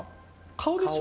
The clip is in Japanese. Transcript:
顔でしょ？